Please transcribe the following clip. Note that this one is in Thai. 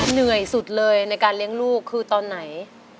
เหนื่อยสุดเลยในการเลี้ยงลูกคือตอนไหน